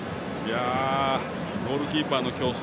ゴールキーパーの競争